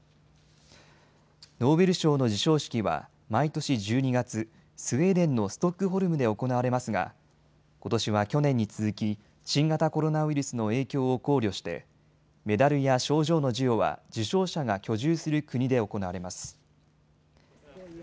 ノーベル賞の授賞式は毎年１２月、スウェーデンのストックホルムで行われますがことしは去年に続き新型コロナウイルスの影響を考慮してメダルや賞状の授与は受賞者が居住する国で行われます。